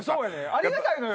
ありがたいのよ